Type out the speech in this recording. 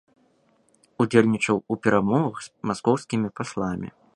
Удзельнічаў у перамовах з маскоўскімі пасламі.